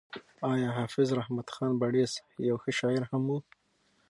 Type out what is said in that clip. ایا حافظ رحمت خان بړیڅ یو ښه شاعر هم و؟